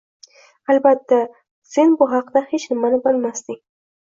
Albatta, sen bu haqda hech nimani bilmasding